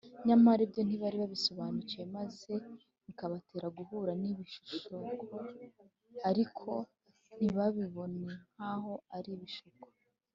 nyamara ibyo ntibari babisobanukiwe, maze bikabatera guhura n’ibishuko, ariko ntibabibone nk’aho ari ibishuko